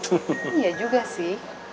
iya juga sih